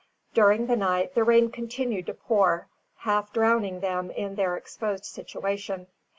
During the night, the rain continued to pour, half drowning them in their exposed situation.